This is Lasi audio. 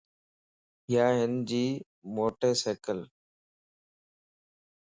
يا ھنجي موٽي سيڪلَ